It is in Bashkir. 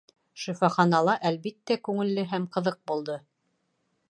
Шифаханала, әлбиттә, күңелле һәм ҡыҙыҡ булды.